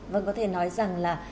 vâng có thể nói rằng là